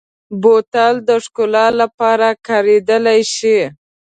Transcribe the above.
بوتل د ښکلا لپاره کارېدلی شي.